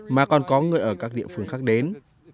mà còn có người ở các địa phương khác đến